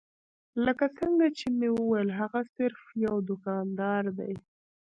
لکه څنګه چې مې وويل هغه صرف يو دوکاندار دی.